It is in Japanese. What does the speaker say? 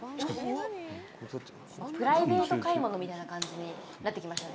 プライベート買い物みたいな感じになってきましたね。